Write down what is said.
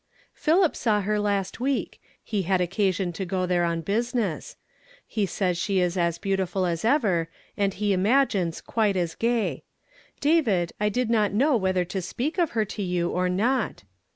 " Philip saw her last week ; he had occasion to go there on business. He says she is as beautiful as ever, and he imagines quite as gay. David, I did not know whetlier to speak of her to you or not."